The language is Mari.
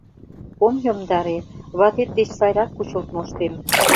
Ом йомдаре, ватет деч сайрак кучылт моштем...